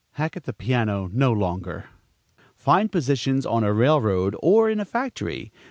Hack at the piano no longer! Find positions on a railroad or in a factory.